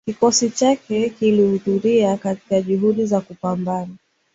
kikosi chake kilihudhuria katika juhudi za kupambana